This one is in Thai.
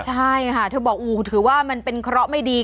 ใช่ค่ะเธอบอกถือว่ามันเป็นเคราะห์ไม่ดี